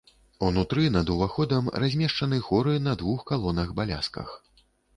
Унутры над уваходам размешчаны хоры на двух калонах-балясках.